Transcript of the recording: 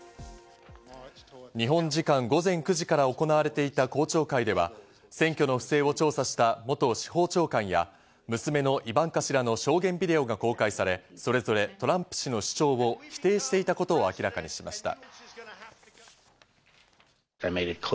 日本時間午前９時から行われていた公聴会では、選挙の不正を調査した元司法長官や娘のイバンカ氏らの証言ビデオが公開され、それぞれトランプ氏の主張を否定していたことを明らかにしました。